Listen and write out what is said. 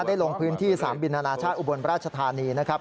ลงพื้นที่สนามบินอนาชาติอุบลราชธานีนะครับ